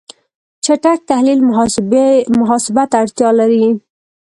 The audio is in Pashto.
چټک تحلیل محاسبه ته اړتیا لري.